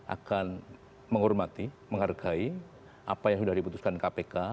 akan menghormati menghargai apa yang sudah diputuskan kpk